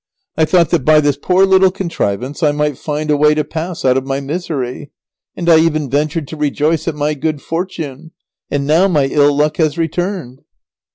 I thought that by this poor little contrivance I might find a way to pass out of my misery, and I even ventured to rejoice at my good fortune, and now my ill luck has returned."